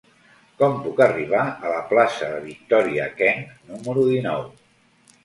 Com puc arribar a la plaça de Victòria Kent número dinou?